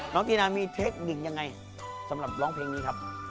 ปีนามีเทคนิคยังไงสำหรับร้องเพลงนี้ครับ